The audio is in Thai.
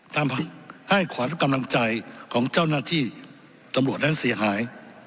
ทำให้ขวัญกำลังใจของเจ้าหน้าที่ตำรวจนั้นเสียหาย